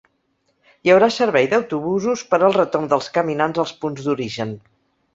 Hi haurà servei d’autobusos per al retorn dels caminants als punts d’origen.